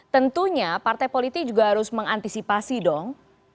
tentunya partai politik juga harus mengantisipasi dong